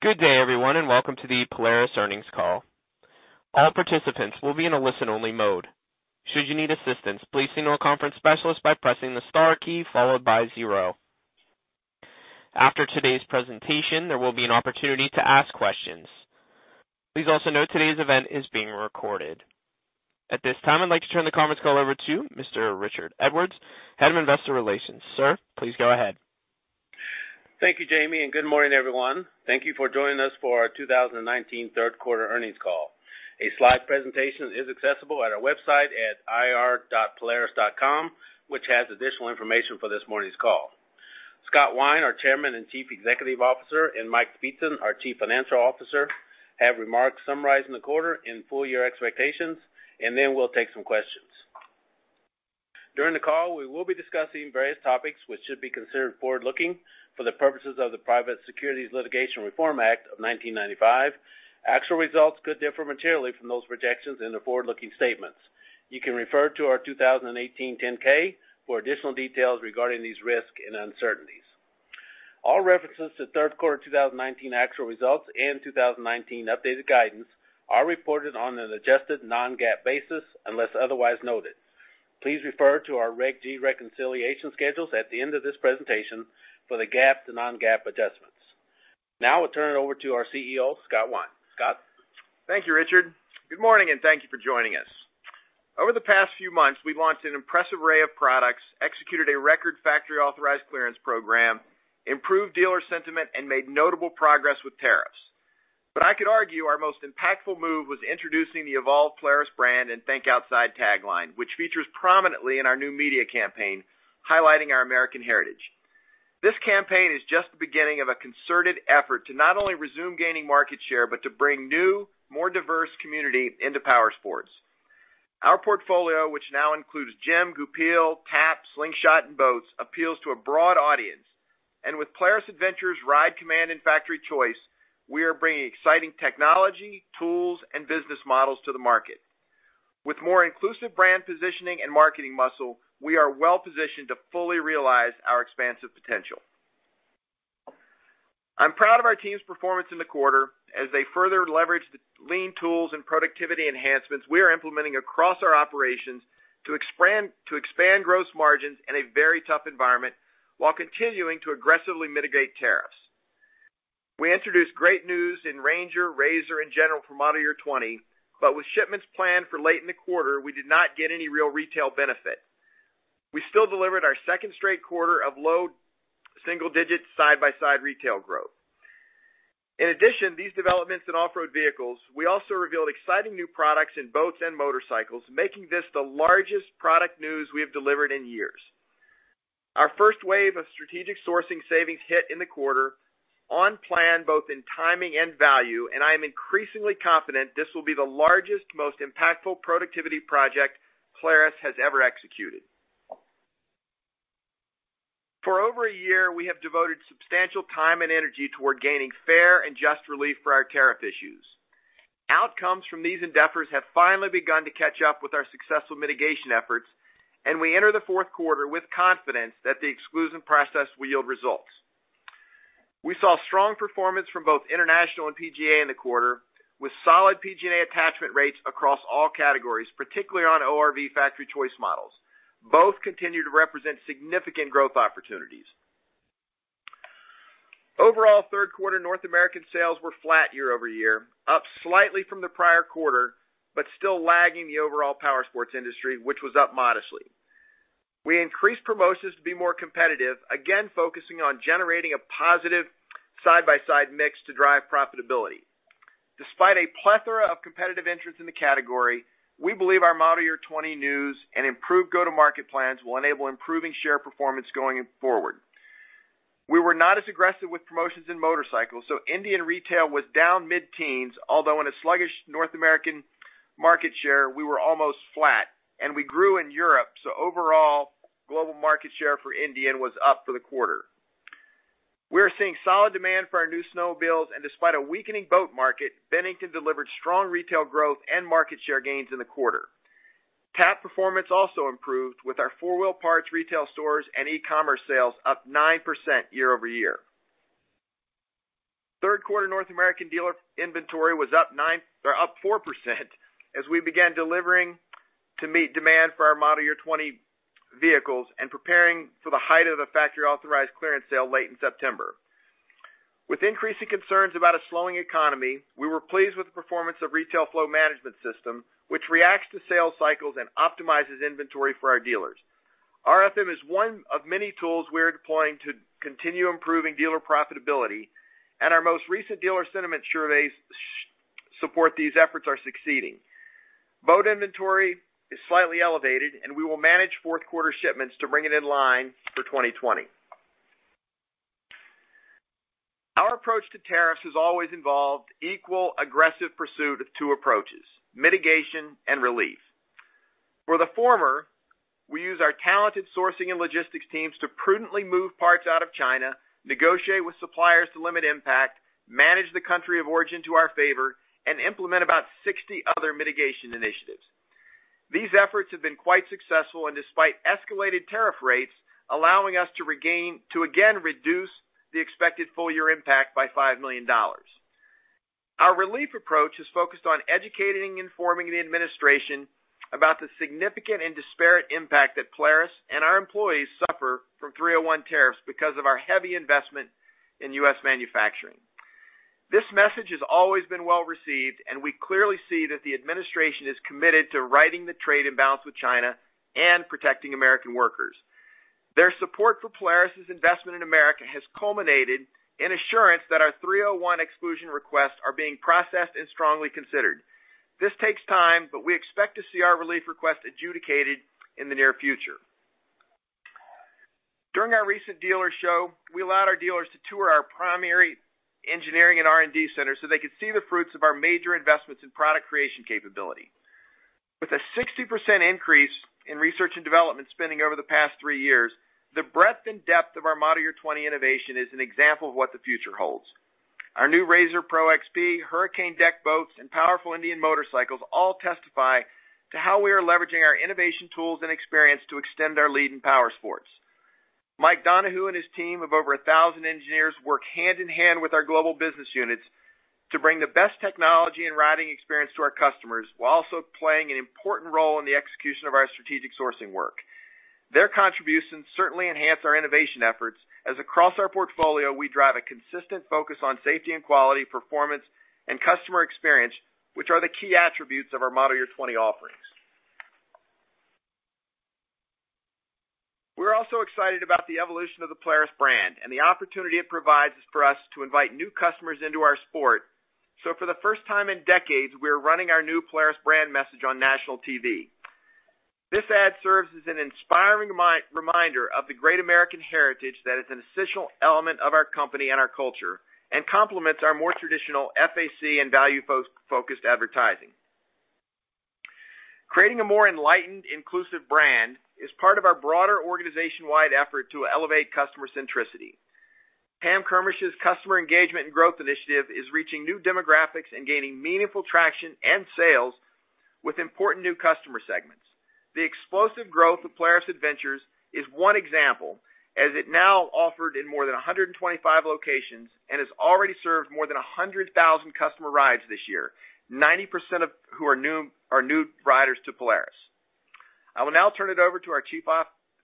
Good day, everyone. Welcome to the Polaris earnings call. All participants will be in a listen-only mode. Should you need assistance, please signal a conference specialist by pressing the star key followed by zero. After today's presentation, there will be an opportunity to ask questions. Please also note today's event is being recorded. At this time, I'd like to turn the conference call over to Mr. Richard Edwards, Head of Investor Relations. Sir, please go ahead. Thank you, Jaime, good morning, everyone. Thank you for joining us for our 2019 third quarter earnings call. A slide presentation is accessible at our website at ir.polaris.com, which has additional information for this morning's call. Scott Wine, our Chairman and Chief Executive Officer, and Michael Speetzen, our Chief Financial Officer, have remarks summarizing the quarter and full-year expectations, and then we'll take some questions. During the call, we will be discussing various topics which should be considered forward-looking for the purposes of the Private Securities Litigation Reform Act of 1995. Actual results could differ materially from those projections in the forward-looking statements. You can refer to our 2018 10-K for additional details regarding these risks and uncertainties. All references to third quarter 2019 actual results and 2019 updated guidance are reported on an adjusted non-GAAP basis unless otherwise noted. Please refer to our Regulation G reconciliation schedules at the end of this presentation for the GAAP to non-GAAP adjustments. I'll turn it over to our CEO, Scott Wine. Scott? Thank you, Richard. Good morning, and thank you for joining us. Over the past few months, we've launched an impressive array of products, executed a record factory-authorized clearance program, improved dealer sentiment, and made notable progress with tariffs. I could argue our most impactful move was introducing the evolved Polaris Brand and Think Outside tagline, which features prominently in our new media campaign highlighting our American heritage. This campaign is just the beginning of a concerted effort to not only resume gaining market share, but to bring new, more diverse community into powersports. Our portfolio, which now includes GEM, Goupil, TAP, Slingshot, and Boats, appeals to a broad audience. With Polaris Adventures, RIDE COMMAND, and Factory Choice, we are bringing exciting technology, tools, and business models to the market. With more inclusive brand positioning and marketing muscle, we are well positioned to fully realize our expansive potential. I'm proud of our team's performance in the quarter as they further leverage the lean tools and productivity enhancements we are implementing across our operations to expand gross margins in a very tough environment while continuing to aggressively mitigate tariffs. We introduced great news in RANGER, RZR, and General for model year '20, but with shipments planned for late in the quarter, we did not get any real retail benefit. We still delivered our second straight quarter of low single-digit side-by-side retail growth. In addition, these developments in off-road vehicles, we also revealed exciting new products in boats and motorcycles, making this the largest product news we have delivered in years. Our first wave of strategic sourcing savings hit in the quarter on plan both in timing and value, and I am increasingly confident this will be the largest, most impactful productivity project Polaris has ever executed. For over a year, we have devoted substantial time and energy toward gaining fair and just relief for our tariff issues. Outcomes from these endeavors have finally begun to catch up with our successful mitigation efforts, and we enter the fourth quarter with confidence that the exclusion process will yield results. We saw strong performance from both international and PG&A in the quarter with solid PG&A attachment rates across all categories, particularly on ORV Factory Choice models. Both continue to represent significant growth opportunities. Overall, third quarter North American sales were flat year-over-year, up slightly from the prior quarter, but still lagging the overall powersports industry, which was up modestly. We increased promotions to be more competitive, again, focusing on generating a positive side-by-side mix to drive profitability. Despite a plethora of competitive entrants in the category, we believe our model year '20 news and improved go-to-market plans will enable improving share performance going forward. We were not as aggressive with promotions in motorcycles, so Indian retail was down mid-teens, although in a sluggish North American market share, we were almost flat and we grew in Europe. Overall, global market share for Indian was up for the quarter. We are seeing solid demand for our new snowmobiles, and despite a weakening boat market, Bennington delivered strong retail growth and market share gains in the quarter. TAP performance also improved with our 4 Wheel Parts retail stores and e-commerce sales up 9% year-over-year. Third quarter North American dealer inventory was up 4% as we began delivering to meet demand for our model year 2020 vehicles and preparing for the height of the factory-authorized clearance sale late in September. With increasing concerns about a slowing economy, we were pleased with the performance of Retail Flow Management System, which reacts to sales cycles and optimizes inventory for our dealers. RFM is one of many tools we are deploying to continue improving dealer profitability, and our most recent dealer sentiment surveys support these efforts are succeeding. Boat inventory is slightly elevated, and we will manage fourth quarter shipments to bring it in line for 2020. Our approach to tariffs has always involved equal aggressive pursuit of two approaches, mitigation and relief. For the former, we use our talented sourcing and logistics teams to prudently move parts out of China, negotiate with suppliers to limit impact, manage the country of origin to our favor, and implement about 60 other mitigation initiatives. These efforts have been quite successful, and despite escalated tariff rates, allowing us to again reduce the expected full year impact by $5 million. Our relief approach is focused on educating and informing the administration about the significant and disparate impact that Polaris and our employees suffer from 301 tariffs because of our heavy investment in U.S. manufacturing. This message has always been well-received, and we clearly see that the administration is committed to righting the trade imbalance with China and protecting American workers. Their support for Polaris' investment in America has culminated in assurance that our 301 exclusion requests are being processed and strongly considered. This takes time, but we expect to see our relief request adjudicated in the near future. During our recent dealer show, we allowed our dealers to tour our primary engineering and R&D center so they could see the fruits of our major investments in product creation capability. With a 60% increase in research and development spending over the past three years, the breadth and depth of our model year 2020 innovation is an example of what the future holds. Our new RZR PRO XP, Hurricane deck boats, and powerful Indian motorcycles all testify to how we are leveraging our innovation tools and experience to extend our lead in powersports. Mike Donoughe and his team of over 1,000 engineers work hand-in-hand with our global business units to bring the best technology and riding experience to our customers, while also playing an important role in the execution of our strategic sourcing work. Their contributions certainly enhance our innovation efforts as across our portfolio, we drive a consistent focus on safety and quality, performance, and customer experience, which are the key attributes of our model year 2020 offerings. For the first time in decades, we are running our new Polaris brand message on national TV. This ad serves as an inspiring reminder of the great American heritage that is an essential element of our company and our culture and complements our more traditional FAC and value-focused advertising. Creating a more enlightened, inclusive brand is part of our broader organization-wide effort to elevate customer centricity. Pam Kermisch's customer engagement and growth initiative is reaching new demographics and gaining meaningful traction and sales with important new customer segments. The explosive growth of Polaris Adventures is one example, as it now offered in more than 125 locations and has already served more than 100,000 customer rides this year, 90% of who are new riders to Polaris. I will now turn it over to our Chief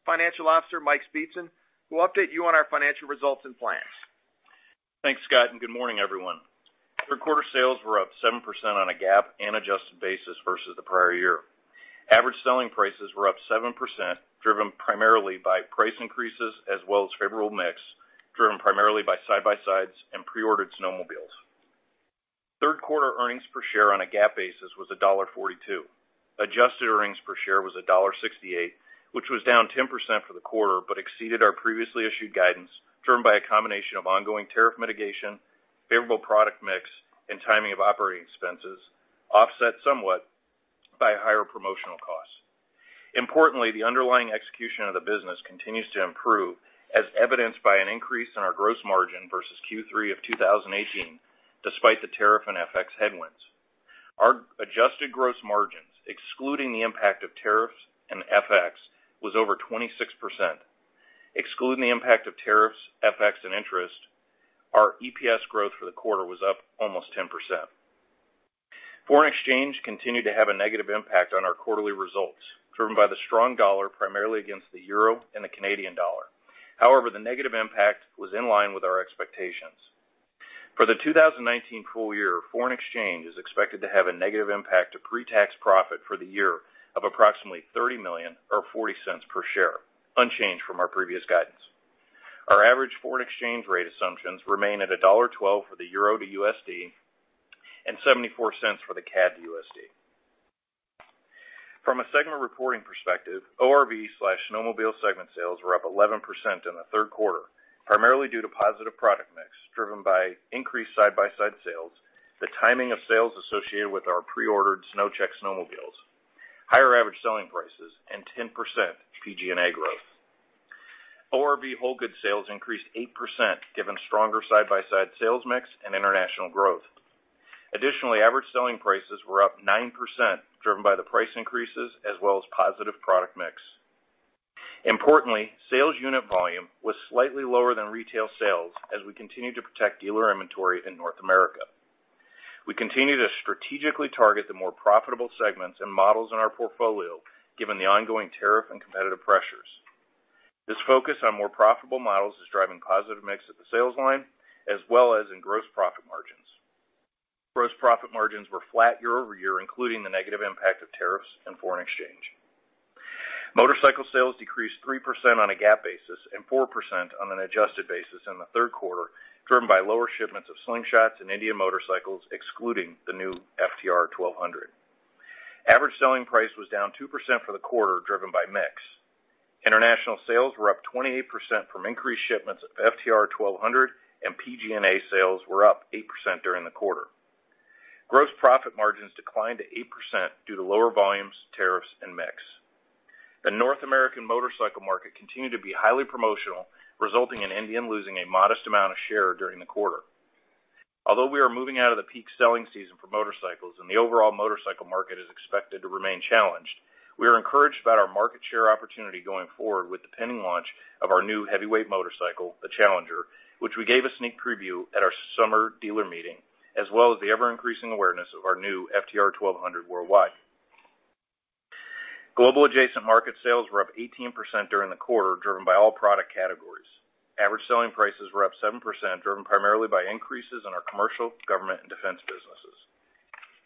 Financial Officer, Mike Speetzen, who will update you on our financial results and plans. Thanks, Scott, and good morning, everyone. third quarter sales were up 7% on a GAAP and adjusted basis versus the prior year. Average selling prices were up 7%, driven primarily by price increases as well as favorable mix, driven primarily by side-by-sides and pre-ordered snowmobiles. third quarter earnings per share on a GAAP basis was $1.42. Adjusted earnings per share was $1.68, which was down 10% for the quarter, but exceeded our previously issued guidance, driven by a combination of ongoing tariff mitigation, favorable product mix, and timing of operating expenses, offset somewhat by higher promotional costs. Importantly, the underlying execution of the business continues to improve, as evidenced by an increase in our gross margin versus Q3 of 2018, despite the tariff and FX headwinds. Our adjusted gross margins, excluding the impact of tariffs and FX, was over 26%. Excluding the impact of tariffs, FX, and interest, our EPS growth for the quarter was up almost 10%. Foreign exchange continued to have a negative impact on our quarterly results, driven by the strong dollar, primarily against the euro and the Canadian dollar. However, the negative impact was in line with our expectations. For the 2019 full year, foreign exchange is expected to have a negative impact to pre-tax profit for the year of approximately $30 million or $0.40 per share, unchanged from our previous guidance. Our average foreign exchange rate assumptions remain at $1.12 for the euro to USD and $0.74 for the CAD to USD. From a segment reporting perspective, ORV/snowmobile segment sales were up 11% in the third quarter, primarily due to positive product mix driven by increased side-by-side sales, the timing of sales associated with our pre-ordered SnowCheck snowmobiles, higher average selling prices, and 10% PG&A growth. ORV whole goods sales increased 8% given stronger side-by-side sales mix and international growth. Additionally, average selling prices were up 9%, driven by the price increases as well as positive product mix. Importantly, sales unit volume was slightly lower than retail sales as we continued to protect dealer inventory in North America. We continue to strategically target the more profitable segments and models in our portfolio, given the ongoing tariff and competitive pressures. This focus on more profitable models is driving positive mix at the sales line as well as in gross profit margins. Gross profit margins were flat year-over-year, including the negative impact of tariffs and foreign exchange. Motorcycle sales decreased 3% on a GAAP basis and 4% on an adjusted basis in the third quarter, driven by lower shipments of Slingshots and Indian motorcycles, excluding the new FTR 1200. Average selling price was down 2% for the quarter, driven by mix. International sales were up 28% from increased shipments of FTR 1200 and PG&A sales were up 8% during the quarter. Gross profit margins declined to 8% due to lower volumes, tariffs, and mix. The North American motorcycle market continued to be highly promotional, resulting in Indian losing a modest amount of share during the quarter. Although we are moving out of the peak selling season for motorcycles and the overall motorcycle market is expected to remain challenged, we are encouraged about our market share opportunity going forward with the pending launch of our new heavyweight motorcycle, the Challenger, which we gave a sneak preview at our summer dealer meeting, as well as the ever-increasing awareness of our new FTR 1200 worldwide. Global adjacent market sales were up 18% during the quarter, driven by all product categories. Average selling prices were up 7%, driven primarily by increases in our commercial, government, and defense businesses.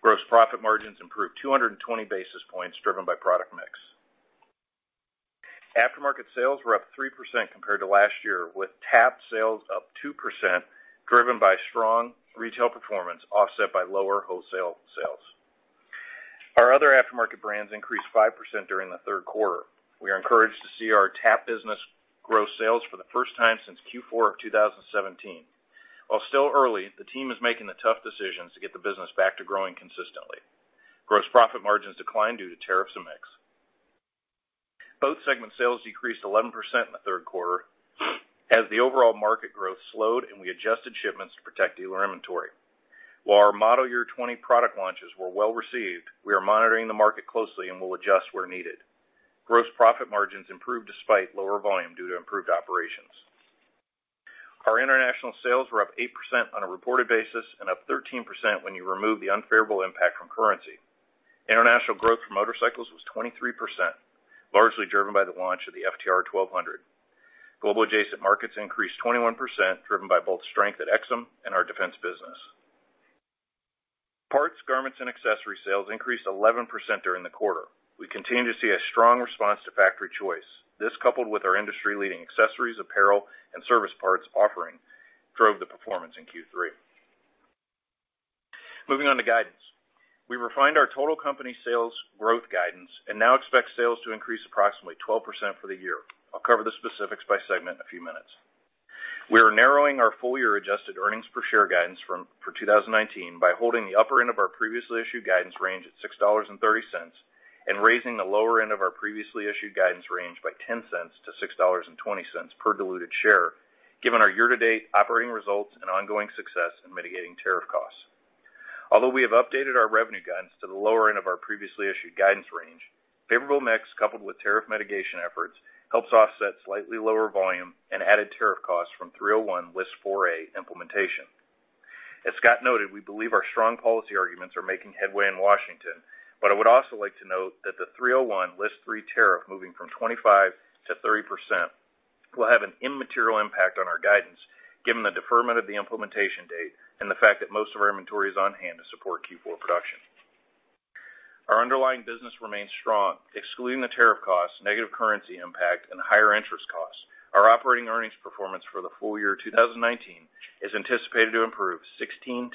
Gross profit margins improved 220 basis points, driven by product mix. Aftermarket sales were up 3% compared to last year, with TAP sales up 2%, driven by strong retail performance, offset by lower wholesale sales. Our other aftermarket brands increased 5% during the third quarter. We are encouraged to see our Tap business grow sales for the first time since Q4 of 2017. While still early, the team is making the tough decisions to get the business back to growing consistently. Gross profit margins declined due to tariffs and mix. Boat segment sales decreased 11% in the third quarter as the overall market growth slowed and we adjusted shipments to protect dealer inventory. While our model year '20 product launches were well-received, we are monitoring the market closely and will adjust where needed. Gross profit margins improved despite lower volume due to improved operations. Our international sales were up 8% on a reported basis and up 13% when you remove the unfavorable impact from currency. International growth for motorcycles was 23%, largely driven by the launch of the FTR 1200. Global adjacent markets increased 21%, driven by both strength at Aixam and our defense business. Parts, Garments, and Accessory sales increased 11% during the quarter. We continue to see a strong response to Factory Choice. This, coupled with our industry-leading accessories, apparel, and service parts offering, drove the performance in Q3. Moving on to guidance. We refined our total company sales growth guidance and now expect sales to increase approximately 12% for the year. I'll cover the specifics by segment in a few minutes. We are narrowing our full-year adjusted earnings per share guidance for 2019 by holding the upper end of our previously issued guidance range at $6.30 and raising the lower end of our previously issued guidance range by $0.10 to $6.20 per diluted share, given our year-to-date operating results and ongoing success in mitigating tariff costs. Although we have updated our revenue guidance to the lower end of our previously issued guidance range, favorable mix coupled with tariff mitigation efforts helps offset slightly lower volume and added tariff costs from 301 List 4A implementation. As Scott noted, we believe our strong policy arguments are making headway in Washington, I would also like to note that the 301 List 3 tariff moving from 25% to 30% will have an immaterial impact on our guidance, given the deferment of the implementation date and the fact that most of our inventory is on hand to support Q4 production. Our underlying business remains strong. Excluding the tariff costs, negative currency impact, and higher interest costs, our operating earnings performance for the full year 2019 is anticipated to improve 16%-17%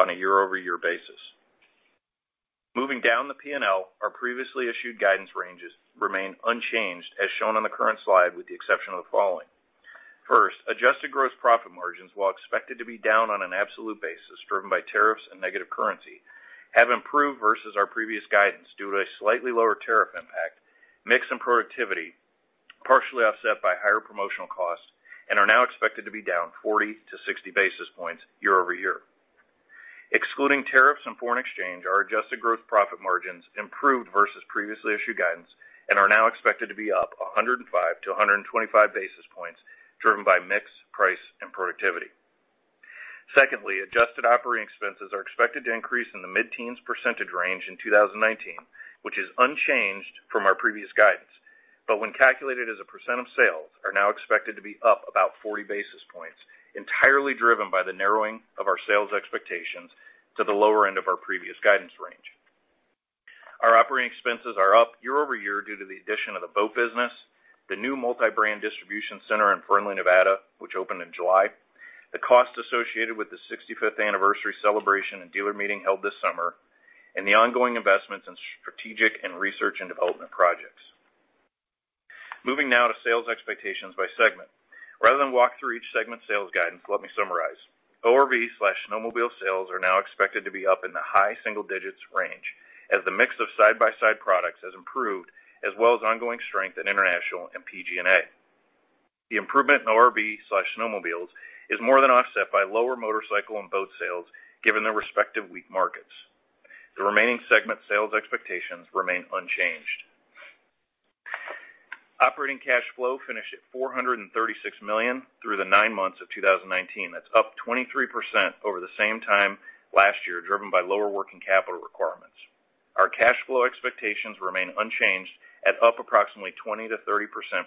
on a year-over-year basis. Moving down the P&L, our previously issued guidance ranges remain unchanged as shown on the current slide with the exception of the following. First, adjusted gross profit margins, while expected to be down on an absolute basis driven by tariffs and negative currency, have improved versus our previous guidance due to a slightly lower tariff impact, mix and productivity partially offset by higher promotional costs and are now expected to be down 40-60 basis points year-over-year. Excluding tariffs and foreign exchange, our adjusted gross profit margins improved versus previously issued guidance and are now expected to be up 105-125 basis points, driven by mix, price, and productivity. Secondly, adjusted operating expenses are expected to increase in the mid-teens percentage range in 2019, which is unchanged from our previous guidance. When calculated as a percent of sales, are now expected to be up about 40 basis points, entirely driven by the narrowing of our sales expectations to the lower end of our previous guidance range. Our operating expenses are up year-over-year due to the addition of the Boat business, the new multi-brand distribution center in Fernley, Nevada, which opened in July, the cost associated with the 65th anniversary celebration and dealer meeting held this summer, and the ongoing investments in strategic and research and development projects. Moving now to sales expectations by segment. Rather than walk through each segment sales guidance, let me summarize. ORV/snowmobile sales are now expected to be up in the high single digits range as the mix of side-by-side products has improved, as well as ongoing strength in international and PG&A. The improvement in ORV/snowmobiles is more than offset by lower motorcycle and boat sales, given their respective weak markets. The remaining segment sales expectations remain unchanged. Operating cash flow finished at $436 million through the nine months of 2019. That's up 23% over the same time last year, driven by lower working capital requirements. Our cash flow expectations remain unchanged at up approximately 20%-30%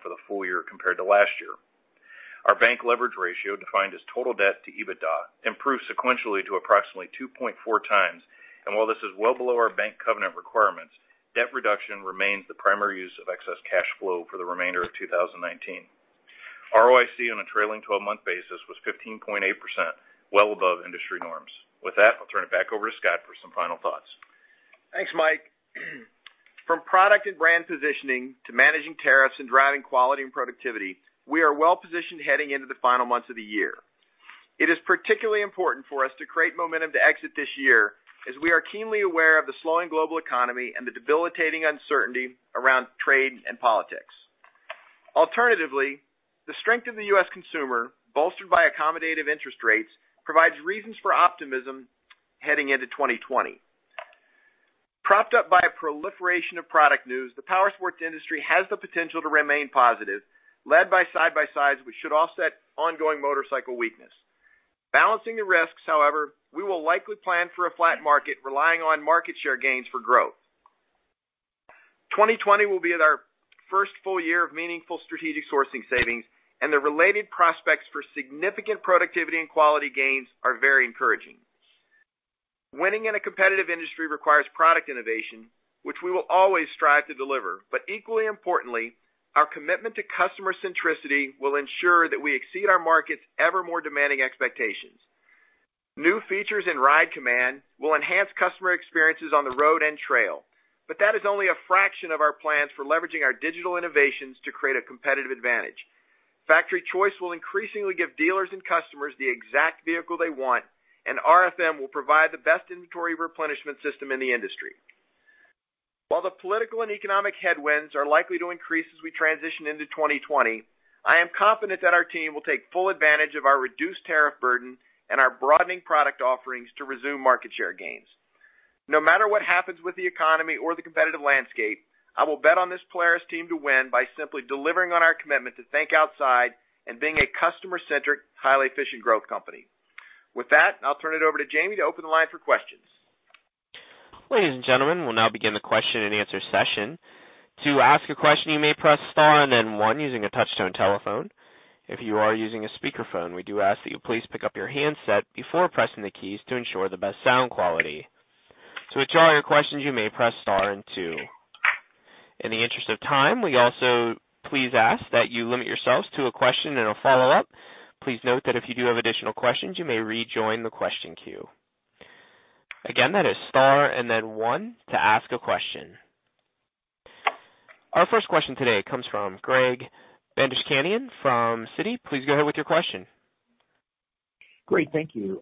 for the full year compared to last year. Our bank leverage ratio, defined as total debt to EBITDA, improved sequentially to approximately 2.4x. While this is well below our bank covenant requirements, debt reduction remains the primary use of excess cash flow for the remainder of 2019. ROIC on a trailing 12-month basis was 15.8%, well above industry norms. With that, I'll turn it back over to Scott for some final thoughts. Thanks, Mike. From product and brand positioning to managing tariffs and driving quality and productivity, we are well-positioned heading into the final months of the year. It is particularly important for us to create momentum to exit this year, as we are keenly aware of the slowing global economy and the debilitating uncertainty around trade and politics. Alternatively, the strength of the U.S. consumer, bolstered by accommodative interest rates, provides reasons for optimism heading into 2020. Propped up by a proliferation of product news, the powersports industry has the potential to remain positive. Led by side-by-sides, we should offset ongoing motorcycle weakness. Balancing the risks, however, we will likely plan for a flat market, relying on market share gains for growth. 2020 will be our first full year of meaningful Strategic Sourcing savings, and the related prospects for significant productivity and quality gains are very encouraging. Winning in a competitive industry requires product innovation, which we will always strive to deliver. Equally importantly, our commitment to customer centricity will ensure that we exceed our market's ever more demanding expectations. New features in RIDE COMMAND will enhance customer experiences on the road and trail. That is only a fraction of our plans for leveraging our digital innovations to create a competitive advantage. Factory Choice will increasingly give dealers and customers the exact vehicle they want, and RFM will provide the best inventory replenishment system in the industry. While the political and economic headwinds are likely to increase as we transition into 2020, I am confident that our team will take full advantage of our reduced tariff burden and our broadening product offerings to resume market share gains. No matter what happens with the economy or the competitive landscape, I will bet on this Polaris team to win by simply delivering on our commitment to Think Outside and being a customer-centric, highly efficient growth company. With that, I'll turn it over to Jaime to open the line for questions. Ladies and gentlemen, we'll now begin the question and answer session. To ask a question, you may press star and then one using a touch-tone telephone. If you are using a speakerphone, we do ask that you please pick up your handset before pressing the keys to ensure the best sound quality. To withdraw your questions, you may press star and two. In the interest of time, we also please ask that you limit yourselves to a question and a follow-up. Please note that if you do have additional questions, you may rejoin the question queue. Again, that is star and then one to ask a question. Our first question today comes from Greg Badishkanian from Citi. Please go ahead with your question. Great. Thank you.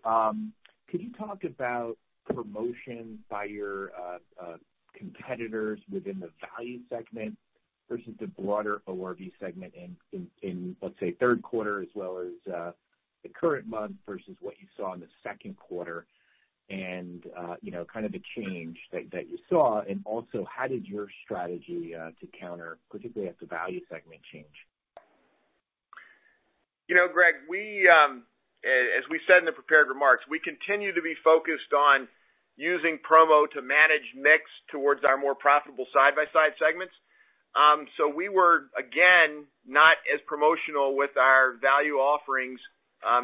Could you talk about promotion by your competitors within the value segment versus the broader ORV segment in, let's say, third quarter as well as the current month versus what you saw in the second quarter and kind of the change that you saw? Also, how did your strategy to counter, particularly at the value segment, change? Craig, as we said in the prepared remarks, we continue to be focused on using promo to manage mix towards our more profitable side-by-side segments. We were, again, not as promotional with our value offerings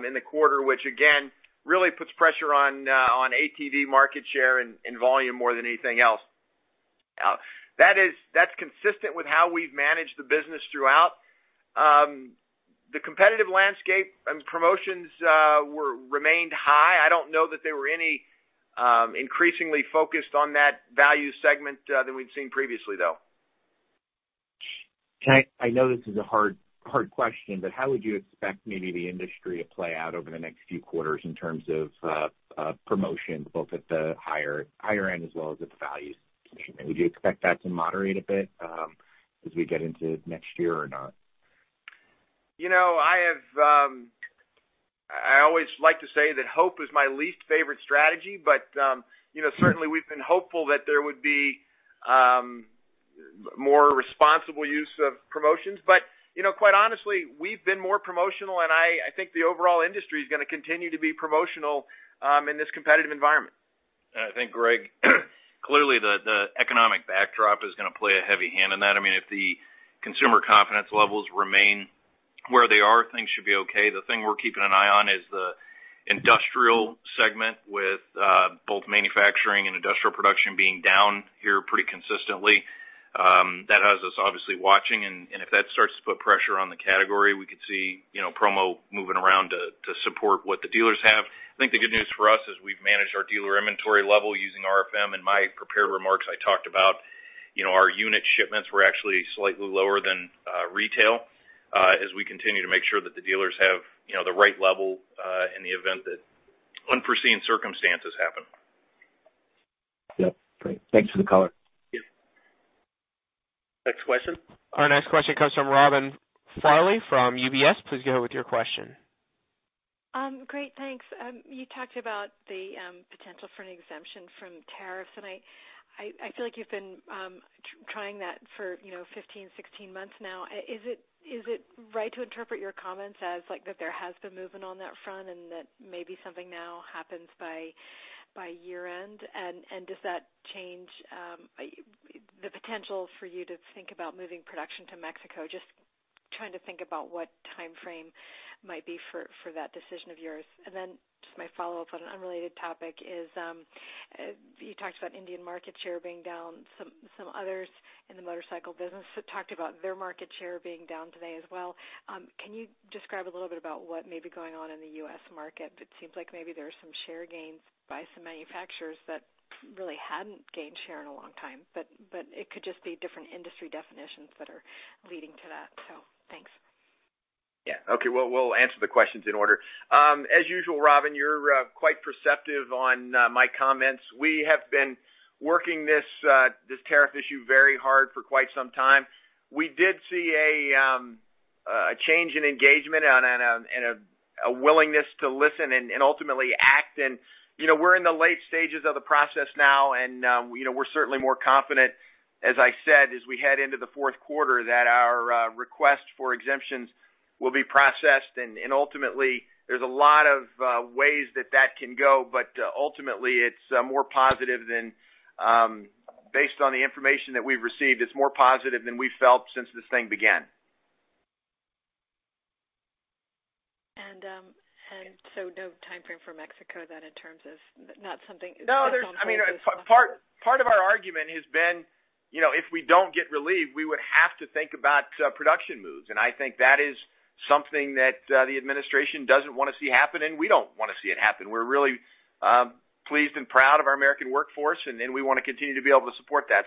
in the quarter, which again, really puts pressure on ATV market share and volume more than anything else. That's consistent with how we've managed the business throughout. The competitive landscape and promotions remained high. I don't know that they were any increasingly focused on that value segment than we'd seen previously, though. I know this is a hard question, but how would you expect maybe the industry to play out over the next few quarters in terms of promotions, both at the higher end as well as at the value segment? Would you expect that to moderate a bit as we get into next year or not? I always like to say that hope is my least favorite strategy. Certainly, we've been hopeful that there would be more responsible use of promotions. Quite honestly, we've been more promotional, and I think the overall industry is going to continue to be promotional in this competitive environment. I think, Craig, clearly the economic backdrop is going to play a heavy hand in that. If the consumer confidence levels remain where they are, things should be okay. The thing we're keeping an eye on is the industrial segment with both manufacturing and industrial production being down here pretty consistently. That has us obviously watching, and if that starts to put pressure on the category, we could see promo moving around to support what the dealers have. The good news for us is we've managed our dealer inventory level using RFM. In my prepared remarks, I talked about our unit shipments were actually slightly lower than retail as we continue to make sure that the dealers have the right level in the event that unforeseen circumstances happen. Yep, great. Thanks for the color. Yep. Next question. Our next question comes from Robin Farley from UBS. Please go ahead with your question. Great, thanks. You talked about the potential for an exemption from tariffs, and I feel like you've been trying that for 15, 16 months now. Is it right to interpret your comments as that there has been movement on that front and that maybe something now happens by year-end? Does that change the potential for you to think about moving production to Mexico? Just trying to think about what timeframe might be for that decision of yours. Just my follow-up on an unrelated topic is, you talked about Indian market share being down. Some others in the motorcycle business have talked about their market share being down today as well. Can you describe a little bit about what may be going on in the U.S. market? It seems like maybe there are some share gains by some manufacturers that really hadn't gained share in a long time, but it could just be different industry definitions that are leading to that. Yeah. Okay. Well, we'll answer the questions in order. As usual, Robin, you're quite perceptive on my comments. We have been working this tariff issue very hard for quite some time. We did see a change in engagement and a willingness to listen and ultimately act, and we're in the late stages of the process now, and we're certainly more confident, as I said, as we head into the fourth quarter, that our request for exemptions will be processed. Ultimately, there's a lot of ways that that can go, but ultimately, it's more positive than, based on the information that we've received, it's more positive than we felt since this thing began. No timeframe for Mexico then in terms of? No. Part of our argument has been, if we don't get relief, we would have to think about production moves. I think that is something that the administration doesn't want to see happen, and we don't want to see it happen. We're really pleased and proud of our American workforce, and we want to continue to be able to support that.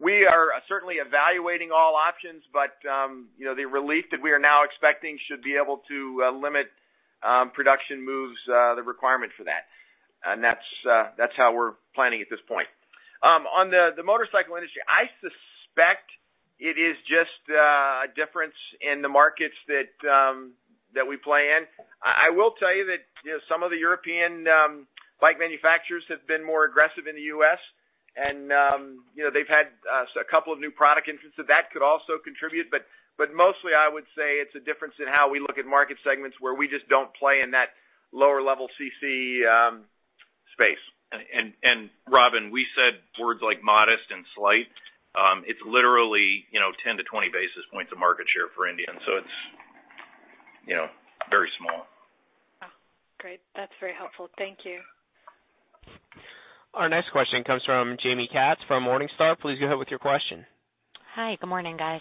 We are certainly evaluating all options, but the relief that we are now expecting should be able to limit production moves, the requirement for that. That's how we're planning at this point. On the motorcycle industry, I suspect it is just a difference in the markets that we play in. I will tell you that some of the European bike manufacturers have been more aggressive in the U.S., and they've had a couple of new product entrants, so that could also contribute. Mostly, I would say it's a difference in how we look at market segments where we just don't play in that lower level CC space. Robin, we said words like modest and slight. It's literally 10-20 basis points of market share for Indian. It's very small. Oh, great. That's very helpful. Thank you. Our next question comes from Jaime Katz from Morningstar. Please go ahead with your question. Hi. Good morning, guys.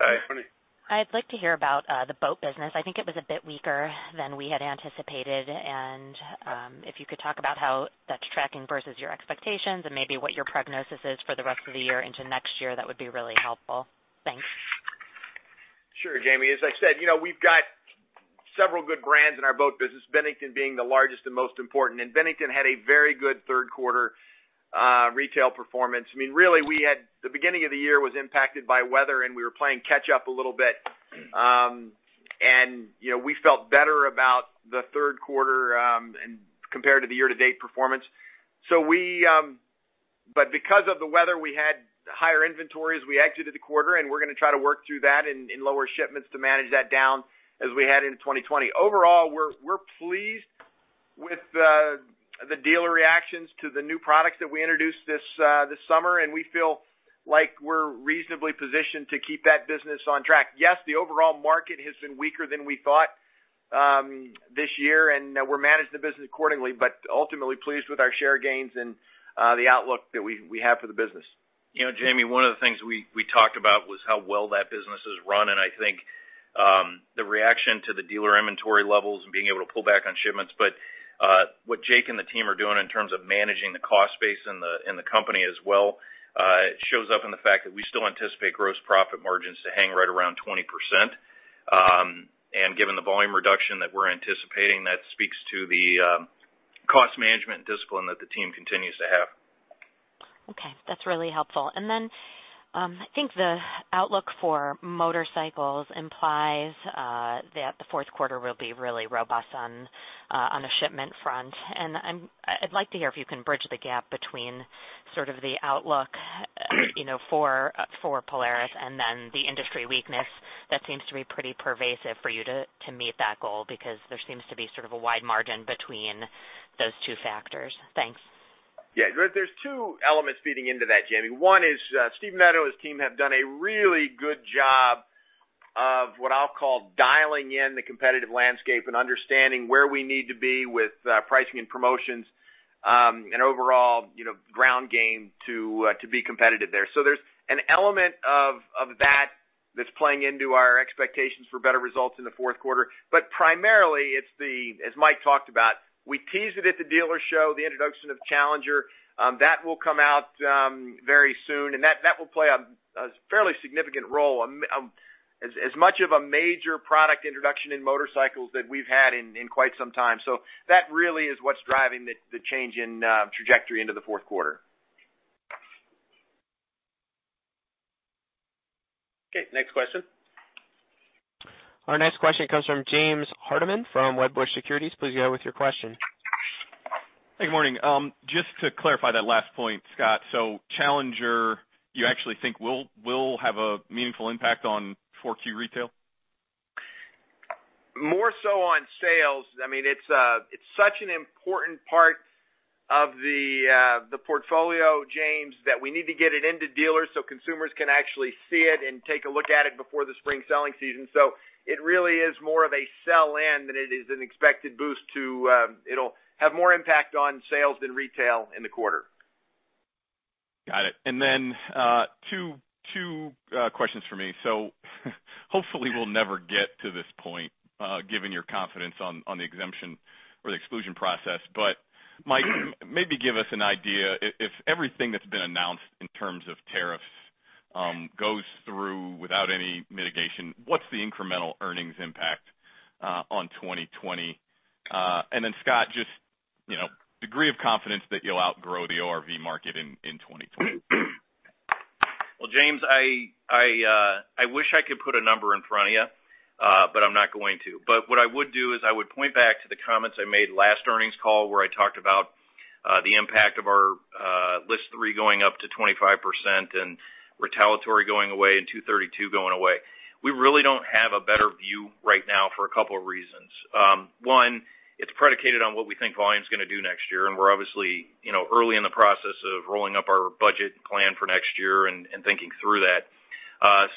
Hi, Jaime. I'd like to hear about the boat business. I think it was a bit weaker than we had anticipated. If you could talk about how that's tracking versus your expectations and maybe what your prognosis is for the rest of the year into next year, that would be really helpful. Thanks. Sure, Jaime. As I said, we've got several good brands in our boat business, Bennington being the largest and most important. Bennington had a very good third quarter retail performance. Really, the beginning of the year was impacted by weather, and we were playing catch up a little bit. We felt better about the third quarter compared to the year-to-date performance. Because of the weather, we had higher inventories as we exited the quarter, and we're going to try to work through that in lower shipments to manage that down as we had in 2020. Overall, we're pleased with the dealer reactions to the new products that we introduced this summer, and we feel like we're reasonably positioned to keep that business on track. Yes, the overall market has been weaker than we thought this year, and we'll manage the business accordingly, but ultimately pleased with our share gains and the outlook that we have for the business. Jaime, one of the things we talked about was how well that business is run. I think the reaction to the dealer inventory levels and being able to pull back on shipments. What Jake and the team are doing in terms of managing the cost base in the company as well shows up in the fact that we still anticipate gross profit margins to hang right around 20%. Given the volume reduction that we're anticipating, that speaks to the cost management discipline that the team continues to have. Okay, that's really helpful. I think the outlook for motorcycles implies that the fourth quarter will be really robust on the shipment front. I'd like to hear if you can bridge the gap between sort of the outlook for Polaris and then the industry weakness that seems to be pretty pervasive for you to meet that goal, because there seems to be sort of a wide margin between those two factors. Thanks. There's two elements feeding into that, Jaime. One is Steve Menneto and his team have done a really good job of what I'll call dialing in the competitive landscape and understanding where we need to be with pricing and promotions and overall ground game to be competitive there. There's an element of that that's playing into our expectations for better results in the fourth quarter. Primarily, it's the, as Mike talked about, we teased it at the dealer show, the introduction of Challenger. That will come out very soon, and that will play a fairly significant role, as much of a major product introduction in motorcycles that we've had in quite some time. That really is what's driving the change in trajectory into the fourth quarter. Next question. Our next question comes from James Hardiman from Wedbush Securities. Please go with your question. Hey, good morning. Just to clarify that last point, Scott. Challenger, you actually think will have a meaningful impact on 4Q retail? More so on sales. It's such an important part of the portfolio, James, that we need to get it into dealers so consumers can actually see it and take a look at it before the spring selling season. It really is more of a sell-in than it is an expected boost. It'll have more impact on sales than retail in the quarter. Got it. Two questions from me. Hopefully we'll never get to this point given your confidence on the exemption or the exclusion process, but Mike, maybe give us an idea if everything that's been announced in terms of tariffs goes through without any mitigation, what's the incremental earnings impact on 2020? Scott, just degree of confidence that you'll outgrow the ORV market in 2020? Well, James, I wish I could put a number in front of you, I'm not going to. What I would do is I would point back to the comments I made last earnings call where I talked about the impact of our List 3 going up to 25% and retaliatory going away and 232 going away. We really don't have a better view right now for a couple of reasons. One, it's predicated on what we think volume's going to do next year, and we're obviously early in the process of rolling up our budget plan for next year and thinking through that.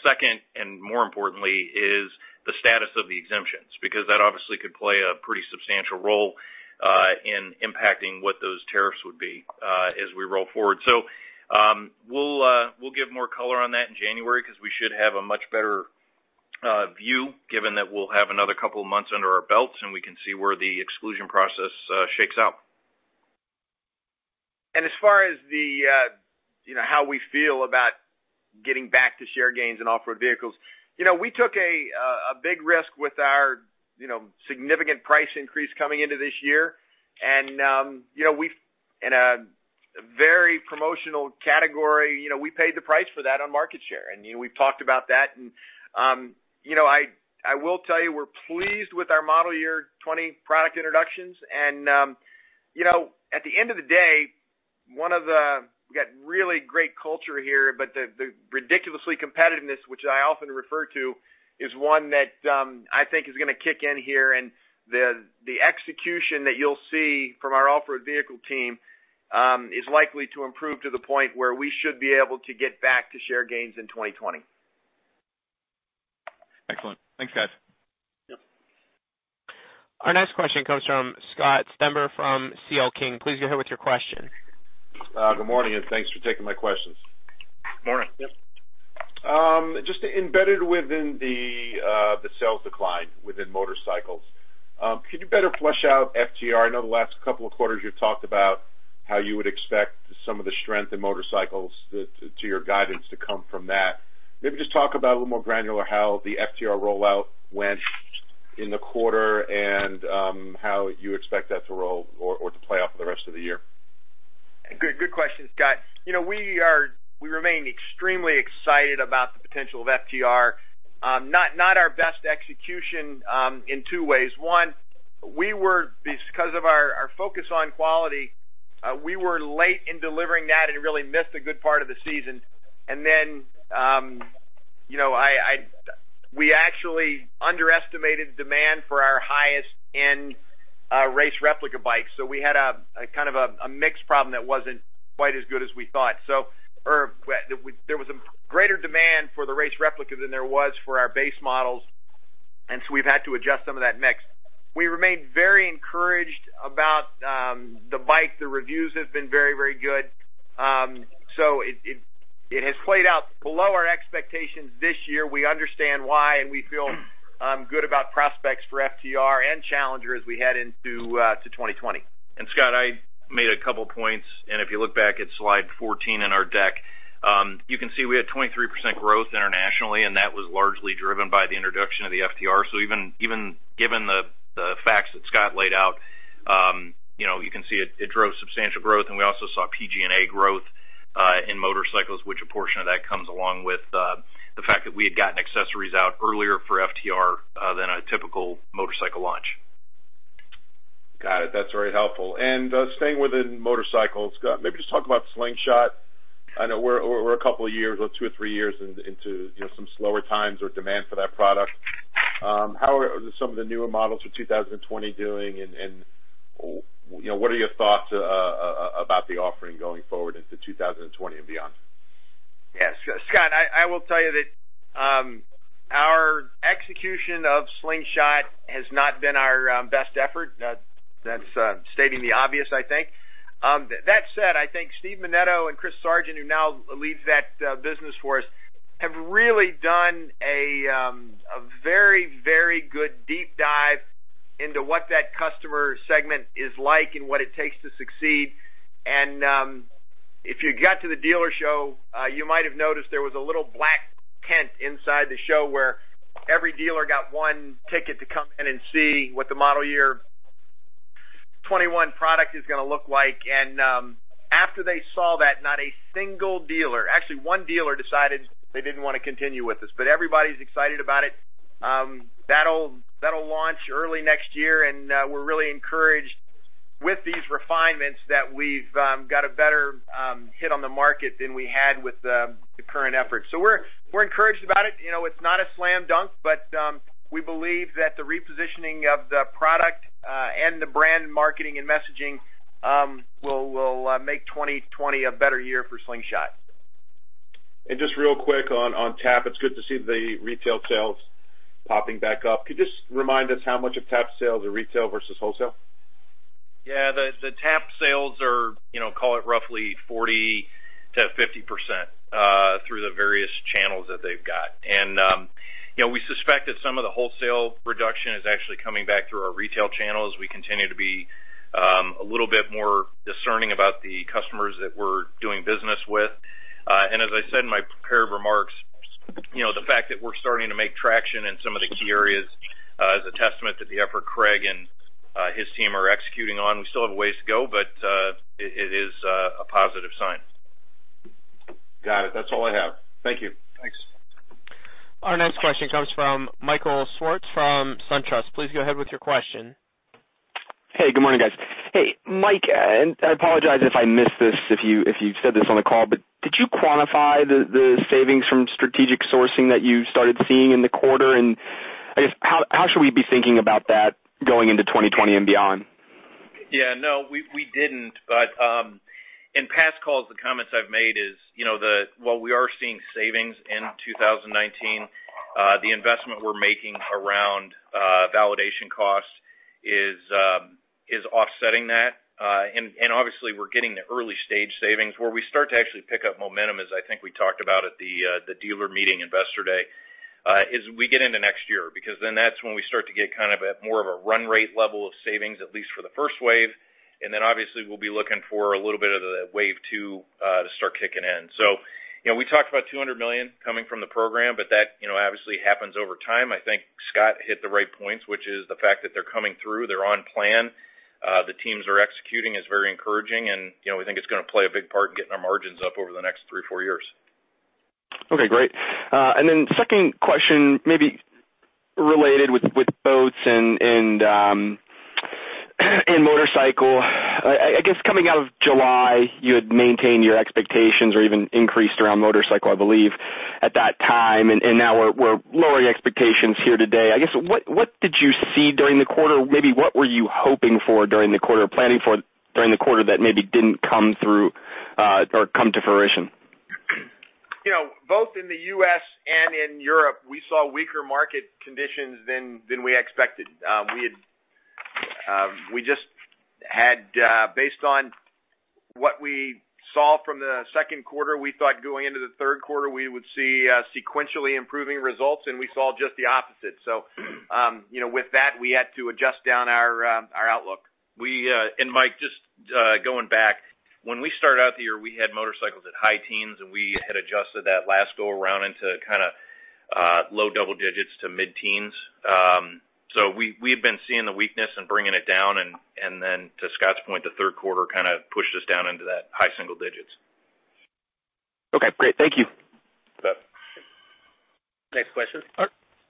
Second, more importantly, is the status of the exemptions, because that obviously could play a pretty substantial role in impacting what those tariffs would be as we roll forward. We'll give more color on that in January because we should have a much better view given that we'll have another couple of months under our belts, and we can see where the exclusion process shakes out. As far as how we feel about getting back to share gains in off-road vehicles. We took a big risk with our significant price increase coming into this year, and in a very promotional category, we paid the price for that on market share. We've talked about that, I will tell you we're pleased with our model year 2020 product introductions. At the end of the day, we've got really great culture here, but the ridiculous competitiveness, which I often refer to, is one that I think is going to kick in here. The execution that you'll see from our off-road vehicle team is likely to improve to the point where we should be able to get back to share gains in 2020. Excellent. Thanks, guys. Yep. Our next question comes from Scott Stember from C.L. King. Please go ahead with your question. Good morning, and thanks for taking my questions. Morning. Yep. Just embedded within the sales decline within motorcycles. Could you better flesh out FTR? I know the last couple of quarters you've talked about how you would expect some of the strength in motorcycles to your guidance to come from that. Maybe just talk about a little more granular how the FTR rollout went in the quarter and how you expect that to roll or to play out for the rest of the year. Good question, Scott. We remain extremely excited about the potential of FTR. Not our best execution in two ways. One, because of our focus on quality, we were late in delivering that and really missed a good part of the season. We actually underestimated demand for our highest-end race replica bikes. We had a kind of a mix problem that wasn't quite as good as we thought. There was a greater demand for the race replica than there was for our base models, and so we've had to adjust some of that mix. We remain very encouraged about the bike. The reviews have been very good. It has played out below our expectations this year. We understand why, and we feel good about prospects for FTR and Challenger as we head into 2020. Scott, I made a couple points, and if you look back at slide 14 in our deck, you can see we had 23% growth internationally, and that was largely driven by the introduction of the FTR. Even given the facts that Scott laid out, you can see it drove substantial growth. We also saw PG&A growth in motorcycles, which a portion of that comes along with the fact that we had gotten accessories out earlier for FTR than a typical motorcycle launch. Got it. That's very helpful. Staying within motorcycles, Scott, maybe just talk about Slingshot. I know we're a couple of years, two or three years into some slower times or demand for that product. How are some of the newer models for 2020 doing and what are your thoughts about the offering going forward into 2020 and beyond? Yeah, Scott, I will tell you that our execution of Slingshot has not been our best effort. That's stating the obvious, I think. That said, I think Steve Menneto and Chris Sergeant, who now leads that business for us, have really done a very good deep dive into what that customer segment is like and what it takes to succeed. If you got to the dealer show, you might have noticed there was a little black tent inside the show where every dealer got one ticket to come in and see what the model year 2021 product is going to look like. After they saw that, not a single dealer, actually one dealer decided they didn't want to continue with this, but everybody's excited about it. That'll launch early next year, and we're really encouraged with these refinements that we've got a better hit on the market than we had with the current efforts. We're encouraged about it. It's not a slam dunk, but we believe that the repositioning of the product and the brand marketing and messaging will make 2020 a better year for Slingshot. Just real quick on Tap, it's good to see the retail sales popping back up. Could you just remind us how much of Tap sales are retail versus wholesale? Yeah. The TAP sales are, call it roughly 40%-50% through the various channels that they've got. We suspect that some of the wholesale reduction is actually coming back through our retail channel as we continue to be a little bit more discerning about the customers that we're doing business with. As I said in my prepared remarks, the fact that we're starting to make traction in some of the key areas is a testament to the effort Craig and his team are executing on. We still have a ways to go, but it is a positive sign. Got it. That's all I have. Thank you. Thanks. Our next question comes from Michael Swartz from SunTrust. Please go ahead with your question. Hey, good morning, guys. Hey, Mike, I apologize if I missed this if you said this on the call, but did you quantify the savings from strategic sourcing that you started seeing in the quarter? How should we be thinking about that going into 2020 and beyond? Yeah, no, we didn't. In past calls, the comments I've made is, while we are seeing savings in 2019, the investment we're making around validation costs is offsetting that. Obviously, we're getting the early-stage savings. Where we start to actually pick up momentum is, I think we talked about at the dealer meeting investor day, is we get into next year. Then that's when we start to get kind of a more of a run rate level of savings, at least for the first wave. Then obviously we'll be looking for a little bit of the wave 2 to start kicking in. We talked about $200 million coming from the program, but that obviously happens over time. I think Scott hit the right points, which is the fact that they're coming through, they're on plan. The teams are executing. It's very encouraging and we think it's going to play a big part in getting our margins up over the next three or four years. Okay, great. Second question, maybe related with boats and motorcycle. I guess coming out of July, you had maintained your expectations or even increased around motorcycle, I believe, at that time. Now we're lowering expectations here today. I guess, what did you see during the quarter? Maybe what were you hoping for during the quarter or planning for during the quarter that maybe didn't come through, or come to fruition? Both in the U.S. and in Europe, we saw weaker market conditions than we expected. Based on what we saw from the second quarter, we thought going into the third quarter we would see sequentially improving results and we saw just the opposite. With that we had to adjust down our outlook. Mike, just going back, when we started out the year, we had motorcycles at high teens and we had adjusted that last go around into kind of low double digits to mid-teens. We had been seeing the weakness and bringing it down to Scott's point, the third quarter kind of pushed us down into that high single digits. Okay, great. Thank you. You bet. Next question.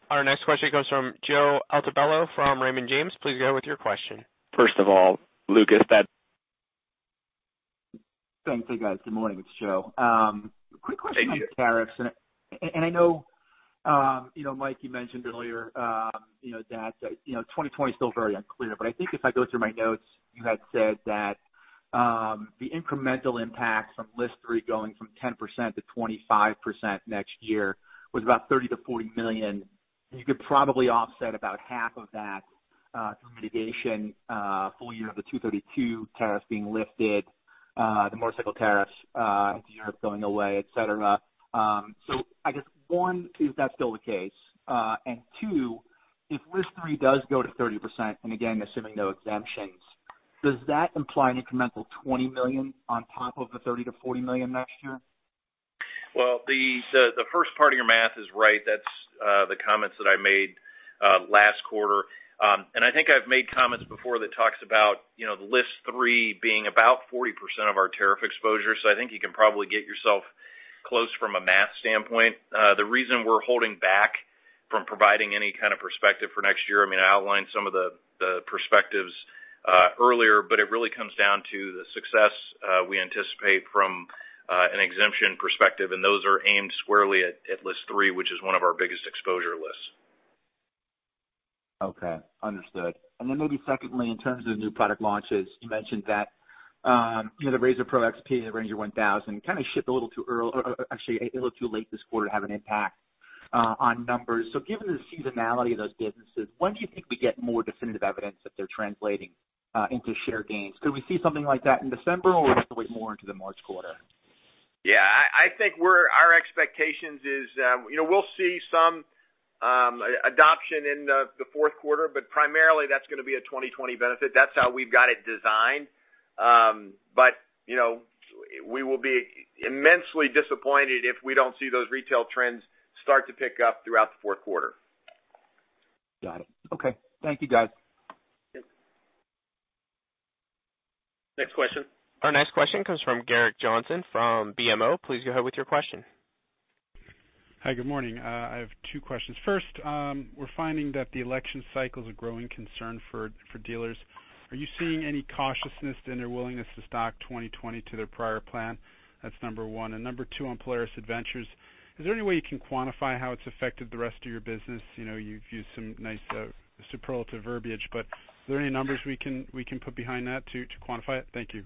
Our next question comes from Joseph Altobello from Raymond James. Please go ahead with your question. First of all, [look at stat], Thanks. Hey guys, good morning. It's Joe. Quick question on tariffs. Hey Joe. I know, Mike, you mentioned earlier that 2020 is still very unclear. I think if I go through my notes, you had said that the incremental impact from List 3 going from 10% to 25% next year was about $30 million-$40 million and you could probably offset about half of that through mitigation, full year of the Section 232 tariffs being lifted, the motorcycle tariffs into Europe going away, et cetera. I guess one, is that still the case? Two, if List 3 does go to 30%, and again assuming no exemptions, does that imply an incremental $20 million on top of the $30 million-$40 million next year? Well, the first part of your math is right. That's the comments that I made last quarter. I think I've made comments before that talks about the List 3 being about 40% of our tariff exposure. I think you can probably get yourself close from a math standpoint. The reason we're holding back from providing any kind of perspective for next year, I outlined some of the perspectives earlier, but it really comes down to the success we anticipate from an exemption perspective and those are aimed squarely at List 3 which is one of our biggest exposure lists. Okay. Understood. Maybe secondly, in terms of new product launches, you mentioned that the RZR PRO XP and the Ranger 1000 kind of shipped a little too late this quarter to have an impact on numbers. Given the seasonality of those businesses, when do you think we get more definitive evidence that they're translating into share gains? Could we see something like that in December or would we have to wait more into the March quarter? I think our expectations is we'll see some adoption in the fourth quarter, primarily that's going to be a 2020 benefit. That's how we've got it designed. We will be immensely disappointed if we don't see those retail trends start to pick up throughout the fourth quarter. Got it. Okay. Thank you guys. Yep. Next question. Our next question comes from Gerrick Johnson from BMO. Please go ahead with your question. Hi, good morning. I have two questions. First, we're finding that the election cycle is a growing concern for dealers. Are you seeing any cautiousness in their willingness to stock 2020 to their prior plan? That's number 1. Number 2 on Polaris Adventures. Is there any way you can quantify how it's affected the rest of your business? You've used some nice superlative verbiage, but is there any numbers we can put behind that to quantify it? Thank you.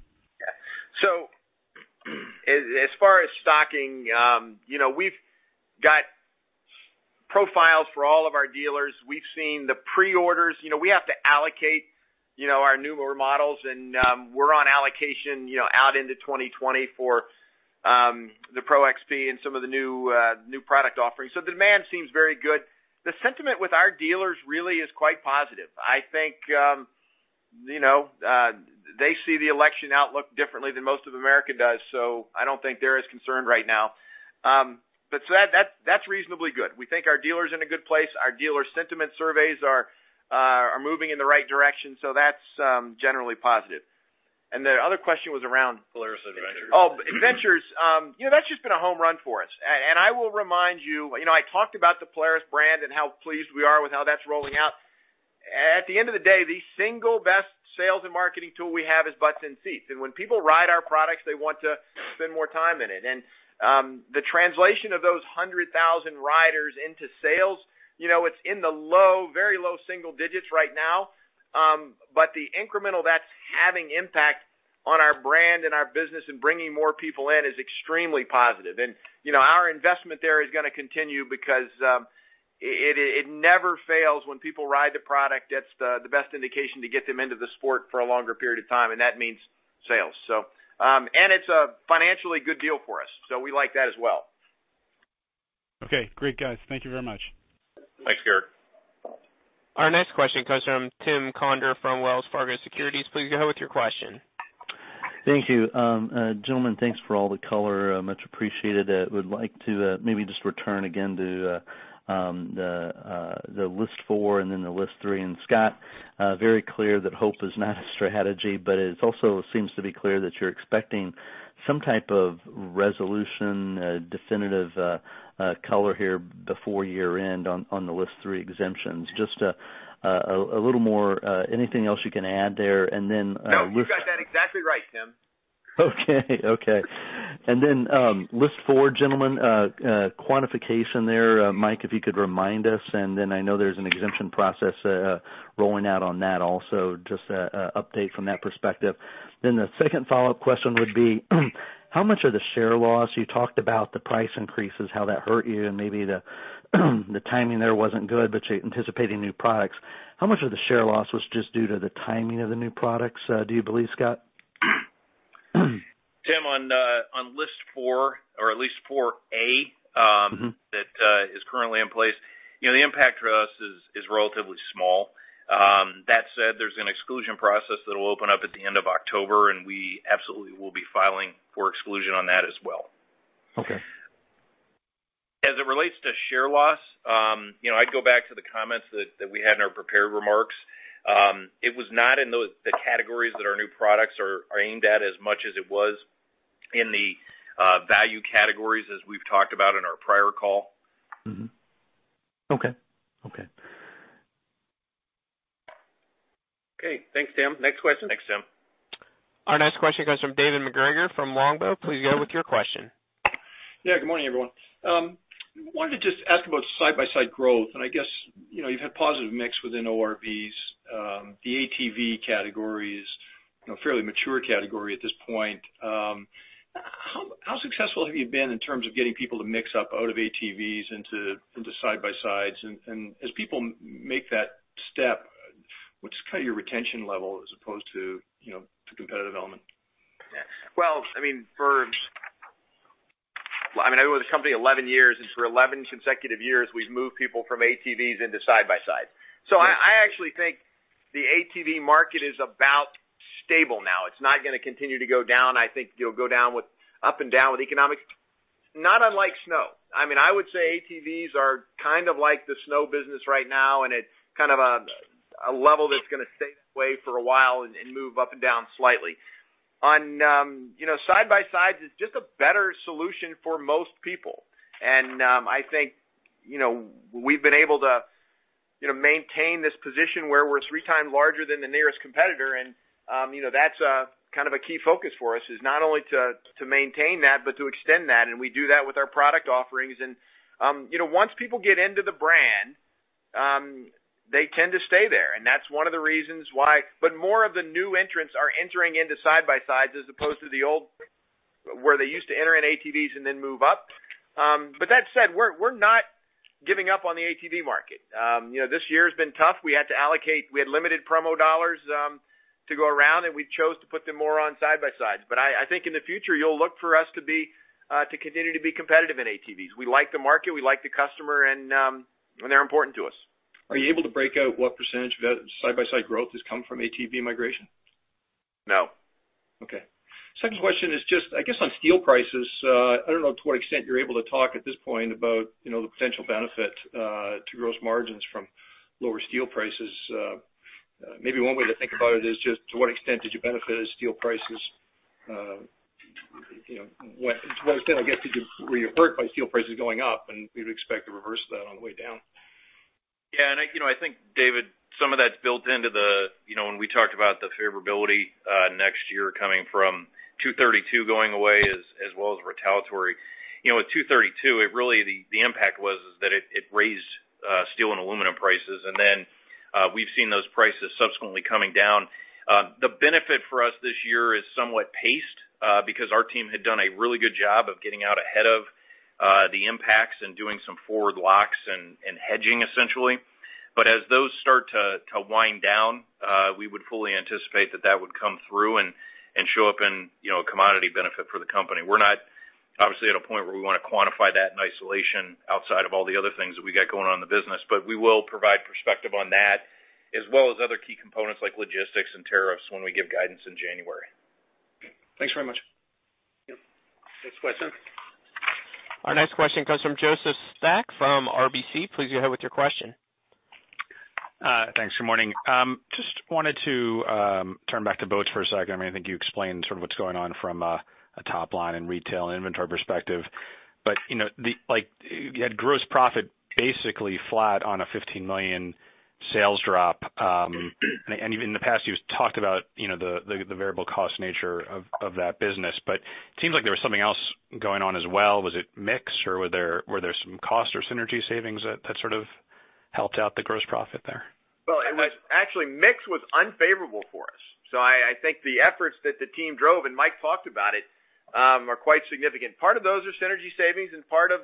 As far as stocking, we've got profiles for all of our dealers. We've seen the pre-orders. We have to allocate Our newer models and we're on allocation out into 2020 for the Pro XP and some of the new product offerings. The demand seems very good. The sentiment with our dealers really is quite positive. I think they see the election outlook differently than most of America does, so I don't think they're as concerned right now. That's reasonably good. We think our dealers are in a good place. Our dealer sentiment surveys are moving in the right direction, so that's generally positive. The other question was around- Polaris Adventures. Polaris Adventures. That's just been a home run for us. I will remind you, I talked about the Polaris brand and how pleased we are with how that's rolling out. At the end of the day, the single best sales and marketing tool we have is butts in seats. When people ride our products, they want to spend more time in it. The translation of those 100,000 riders into sales, it's in the very low single digits right now. The incremental that's having impact on our Polaris brand and our business and bringing more people in is extremely positive. Our investment there is going to continue because it never fails when people ride the product, that's the best indication to get them into the sport for a longer period of time, and that means sales. It's a financially good deal for us, so we like that as well. Okay, great, guys. Thank you very much. Thanks, Gerrick. Our next question comes from Tim Conder from Wells Fargo Securities. Please go ahead with your question. Thank you. Gentlemen, thanks for all the color, much appreciated. I would like to maybe just return again to the List 4 and then the List 3. Scott, very clear that hope is not a strategy, but it also seems to be clear that you're expecting some type of resolution, definitive color here before year-end on the List 3 exemptions. Just a little more, anything else you can add there? No, you got that exactly right, Tim. Okay. List 4, gentlemen, quantification there. Mike, if you could remind us, I know there's an exemption process rolling out on that also. Just an update from that perspective. The second follow-up question would be, how much of the share loss, you talked about the price increases, how that hurt you, and maybe the timing there wasn't good, but you're anticipating new products. How much of the share loss was just due to the timing of the new products, do you believe, Scott? Tim, on List 4 or at List 4A that is currently in place, the impact for us is relatively small. That said, there's an exclusion process that will open up at the end of October, and we absolutely will be filing for exclusion on that as well. Okay. As it relates to share loss, I'd go back to the comments that we had in our prepared remarks. It was not in the categories that our new products are aimed at as much as it was in the value categories as we've talked about in our prior call. Mm-hmm. Okay. Okay, thanks, Tim. Next question. Our next question comes from David MacGregor from Longbow. Please go ahead with your question. Yeah, good morning, everyone. Wanted to just ask about side-by-side growth. I guess you've had positive mix within ORVs. The ATV category is a fairly mature category at this point. How successful have you been in terms of getting people to mix up out of ATVs into side-by-sides? As people make that step, what's kind of your retention level as opposed to competitive element? I mean, I've been with the company 11 years, and for 11 consecutive years, we've moved people from ATVs into side-by-sides. I actually think the ATV market is about stable now. It's not going to continue to go down. I think it'll go up and down with economics, not unlike snow. I would say ATVs are kind of like the snow business right now, and it's kind of a level that's going to stay this way for a while and move up and down slightly. On side-by-sides, it's just a better solution for most people. I think we've been able to maintain this position where we're three times larger than the nearest competitor, and that's kind of a key focus for us is not only to maintain that, but to extend that, and we do that with our product offerings. Once people get into the brand, they tend to stay there. That's one of the reasons why. More of the new entrants are entering into side-by-sides as opposed to the old, where they used to enter in ATVs and then move up. That said, we're not giving up on the ATV market. This year has been tough. We had to allocate, we had limited promo dollars to go around, and we chose to put them more on side-by-sides. I think in the future, you'll look for us to continue to be competitive in ATVs. We like the market, we like the customer and they're important to us. Are you able to break out what % of side-by-side growth has come from ATV migration? No. Okay. Second question is just, I guess on steel prices, I don't know to what extent you're able to talk at this point about the potential benefit to gross margins from lower steel prices. Maybe one way to think about it is just to what extent did you benefit as steel prices went. To what extent, I guess, were you hurt by steel prices going up, and we would expect the reverse of that on the way down? Yeah, I think, David, some of that's built into the, when we talked about the favorability next year coming from Section 232 going away as well as retaliatory. With Section 232, really the impact was that it raised steel and aluminum prices, and then we've seen those prices subsequently coming down. The benefit for us this year is somewhat paced, because our team had done a really good job of getting out ahead of the impacts and doing some forward locks and hedging essentially. As those start to wind down, we would fully anticipate that that would come through and show up in a commodity benefit for the company. We're not, obviously, at a point where we want to quantify that in isolation outside of all the other things that we got going on in the business. We will provide perspective on that as well as other key components like logistics and tariffs when we give guidance in January. Thanks very much. Yeah. Next question. Our next question comes from Joseph Spak from RBC. Please go ahead with your question. Thanks, good morning. Just wanted to turn back to boats for a second. I think you explained sort of what's going on from a top line and retail inventory perspective, you had gross profit basically flat on a $15 million sales drop. Even in the past, you've talked about the variable cost nature of that business, it seems like there was something else going on as well. Was it mix or were there some cost or synergy savings that sort of helped out the gross profit there? Well, actually, mix was unfavorable for us. I think the efforts that the team drove, and Mike talked about it, are quite significant. Part of those are synergy savings and part of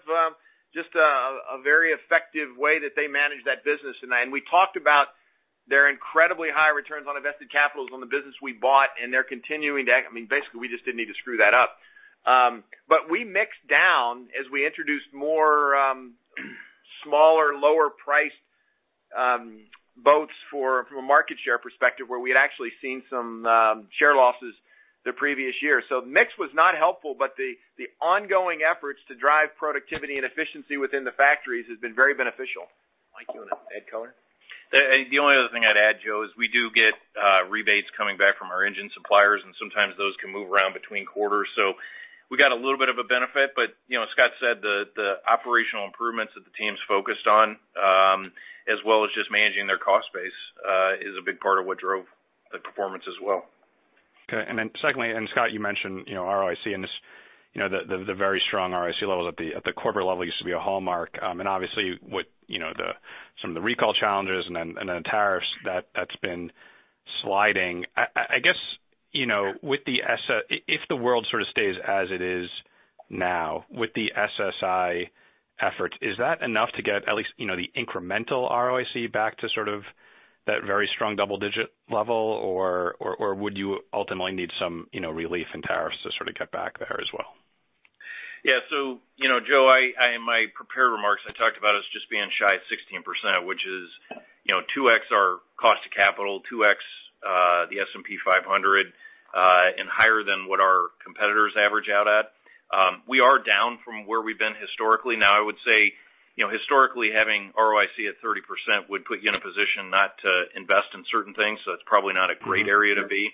just a very effective way that they manage that business. We talked about their incredibly high returns on invested capitals on the business we bought. Basically, we just didn't need to screw that up. We mixed down as we introduced more smaller, lower priced boats from a market share perspective, where we had actually seen some share losses the previous year. The mix was not helpful, but the ongoing efforts to drive productivity and efficiency within the factories has been very beneficial. Mike, you want to add comment? The only other thing I'd add, Joe, is we do get rebates coming back from our engine suppliers, and sometimes those can move around between quarters. We got a little bit of a benefit. As Scott said, the operational improvements that the team's focused on, as well as just managing their cost base, is a big part of what drove the performance as well. Okay. Secondly, Scott, you mentioned ROIC and the very strong ROIC levels at the corporate level used to be a hallmark. Obviously, with some of the recall challenges and then the tariffs, that's been sliding. I guess, if the world sort of stays as it is now with the SSI efforts, is that enough to get at least the incremental ROIC back to sort of that very strong double-digit level? Would you ultimately need some relief in tariffs to sort of get back there as well? Joe, in my prepared remarks, I talked about us just being shy at 16%, which is 2X our cost of capital, 2X the S&P 500, and higher than what our competitors average out at. We are down from where we've been historically. I would say, historically, having ROIC at 30% would put you in a position not to invest in certain things. It's probably not a great area to be.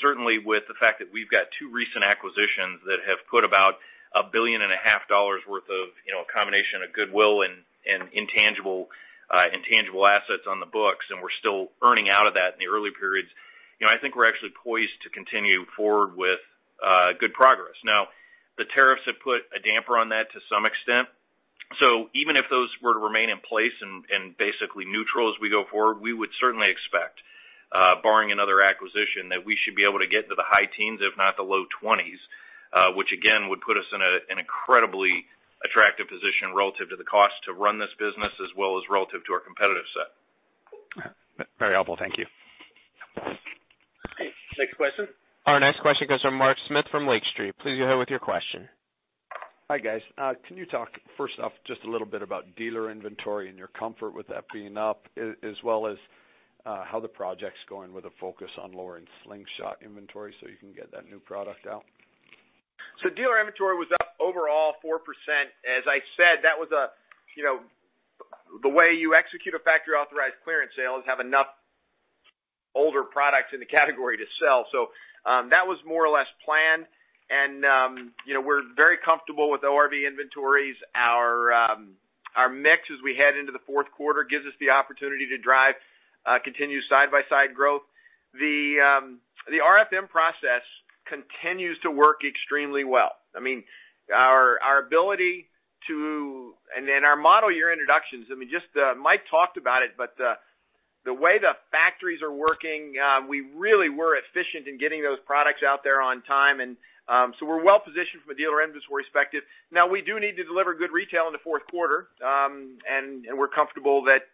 Certainly with the fact that we've got two recent acquisitions that have put about a billion and a half dollars worth of a combination of goodwill and intangible assets on the books, and we're still earning out of that in the early periods. I think we're actually poised to continue forward with good progress. The tariffs have put a damper on that to some extent. Even if those were to remain in place and basically neutral as we go forward, we would certainly expect, barring another acquisition, that we should be able to get into the high teens, if not the low twenties. Which again, would put us in an incredibly attractive position relative to the cost to run this business as well as relative to our competitive set. Very helpful. Thank you. Okay, next question. Our next question comes from Mark Smith from Lake Street. Please go ahead with your question. Hi, guys. Can you talk first off just a little bit about dealer inventory and your comfort with that being up as well as how the project's going with a focus on lowering Slingshot inventory so you can get that new product out? Dealer inventory was up overall 4%. As I said, the way you execute a factory-authorized clearance sale is have enough older products in the category to sell. That was more or less planned. We're very comfortable with ORV inventories. Our mix as we head into the fourth quarter gives us the opportunity to drive continued side-by-side growth. The RFM process continues to work extremely well. Our model year introductions, Mike talked about it, but the way the factories are working, we really were efficient in getting those products out there on time. We're well-positioned from a dealer inventory perspective. Now, we do need to deliver good retail in the fourth quarter. We're comfortable that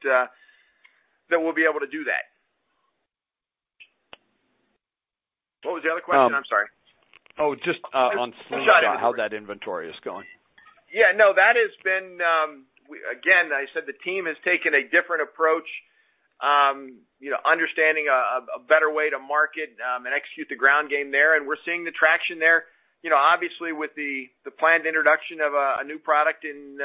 we'll be able to do that. What was the other question? I'm sorry. Oh, just on Slingshot- Slingshot inventory how that inventory is going. Yeah, no. I said the team has taken a different approach, understanding a better way to market and execute the ground game there. We're seeing the traction there. Obviously, with the planned introduction of a new product in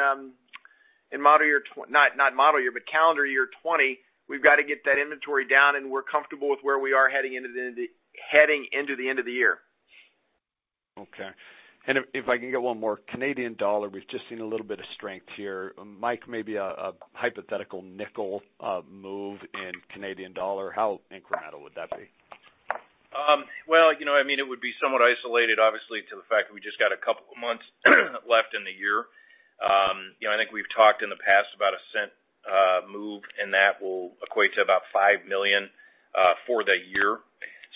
calendar year 2020, we've got to get that inventory down, and we're comfortable with where we are heading into the end of the year. Okay. If I can get one more. Canadian dollar, we've just seen a little bit of strength here. Mike, maybe a hypothetical $0.05 move in Canadian dollar. How incremental would that be? Well, it would be somewhat isolated, obviously, to the fact that we just got two months left in the year. I think we've talked in the past about a cent move, that will equate to about $5 million for the year.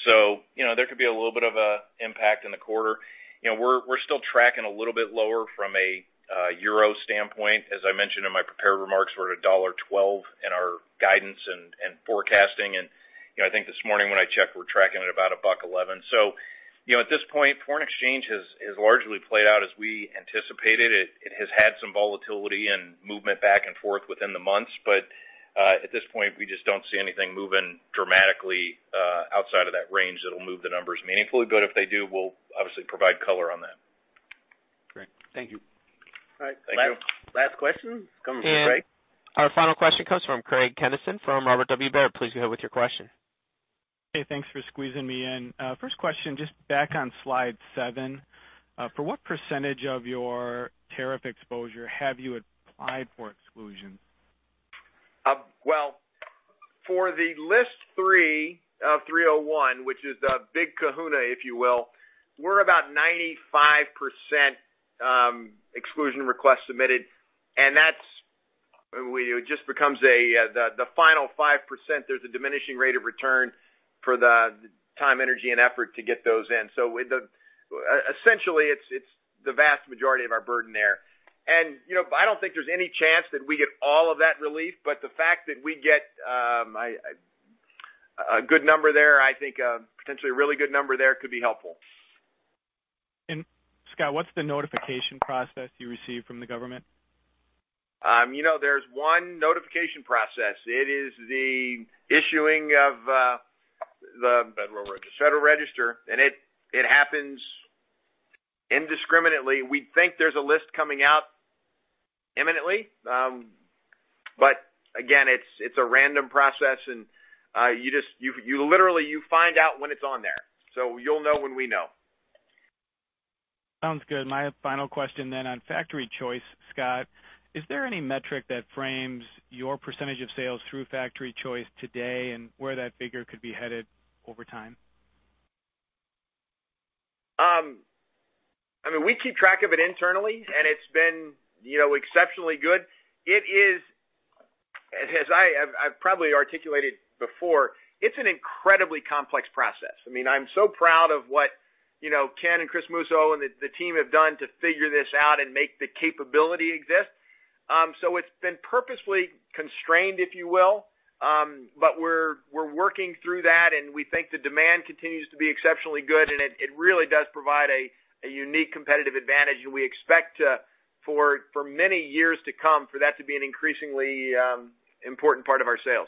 There could be a little bit of an impact in the quarter. We're still tracking a little bit lower from a EUR standpoint. As I mentioned in my prepared remarks, we're at $1.12 in our guidance and forecasting. I think this morning when I checked, we're tracking at about $1.11. At this point, foreign exchange has largely played out as we anticipated. It has had some volatility and movement back and forth within the months, but, at this point, we just don't see anything moving dramatically outside of that range that'll move the numbers meaningfully. If they do, we'll obviously provide color on that. Great. Thank you. All right. Thank you. Last question coming from Craig. Our final question comes from Craig Kennison from Robert W. Baird. Please go ahead with your question. Hey, thanks for squeezing me in. First question, just back on slide seven. For what % of your tariff exposure have you applied for exclusion? For the List 301, which is the Big Kahuna, if you will, we're about 95% exclusion request submitted, and it just becomes the final 5%, there's a diminishing rate of return for the time, energy, and effort to get those in. Essentially it's the vast majority of our burden there. I don't think there's any chance that we get all of that relief, but the fact that we get a good number there, I think potentially a really good number there could be helpful. Scott, what's the notification process you receive from the government? There's one notification process. It is the issuing of. Federal Register Federal Register, and it happens indiscriminately. We think there's a list coming out imminently. Again, it's a random process and you literally find out when it's on there. You'll know when we know. Sounds good. My final question then, on Factory Choice, Scott, is there any metric that frames your % of sales through Factory Choice today and where that figure could be headed over time? We keep track of it internally, and it's been exceptionally good. As I've probably articulated before, it's an incredibly complex process. I'm so proud of what Ken and Chris Musso and the team have done to figure this out and make the capability exist. It's been purposely constrained, if you will. We're working through that, and we think the demand continues to be exceptionally good, and it really does provide a unique competitive advantage. We expect for many years to come for that to be an increasingly important part of our sales.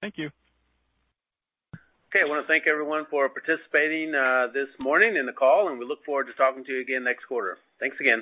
Thank you. Okay. I want to thank everyone for participating this morning in the call, and we look forward to talking to you again next quarter. Thanks again.